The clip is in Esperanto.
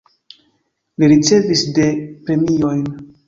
Li ricevis de premiojn.